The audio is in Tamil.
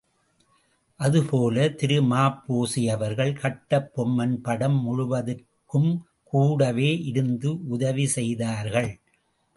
அதுபோல திரு ம.பொ.சி.அவர்கள் கட்டபொம்மன் படம் முழுவதற்கும் கூடவே இருந்து உதவி செய்தார்கள்.